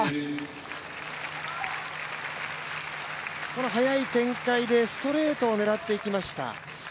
この速い展開でストレートを狙っていきました。